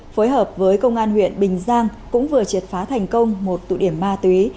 phối hợp với công an huyện bình giang cũng vừa triệt phá thành công một tụ điểm ma túy